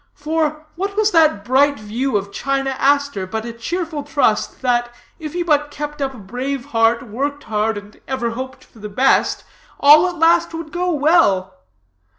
For, what was that bright view of China Aster but a cheerful trust that, if he but kept up a brave heart, worked hard, and ever hoped for the best, all at last would go well?